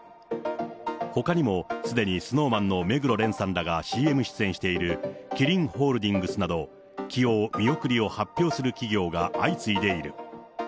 ほかにもすでにＳｎｏｗＭａｎの目黒蓮さんらがＣＭ出演しているキリンホールディングスなど、起用見送りを発表する企業が相次いでいる。